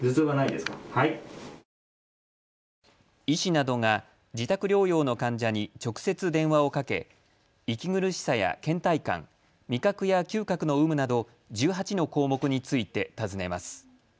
医師などが自宅療養の患者に直接電話をかけ息苦しさや、けん怠感、味覚や嗅覚の有無など１８の項目について尋ねます。